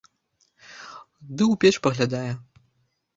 Ды ў печ паглядае.